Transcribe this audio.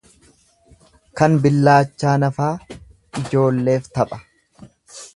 Kan billaachaa nafaa ijoolleef tapha.